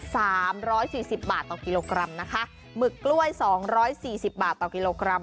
สามร้อยสี่สิบบาทต่อกิโลกรัมนะคะหมึกกล้วยสองร้อยสี่สิบบาทต่อกิโลกรัม